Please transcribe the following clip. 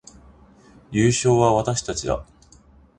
優勝は私たちだ